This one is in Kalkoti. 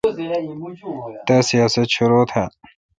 تا سیاست شرو تھال۔